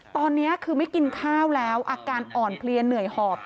ตอนนี้คือไม่กินข้าวแล้วอาการอ่อนเพลียเหนื่อยหอบ